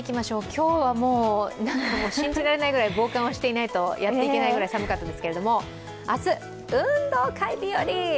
今日はもう信じられないぐらい防寒をしないとやっていけないくらい寒かったですけれども、明日、運動会日和！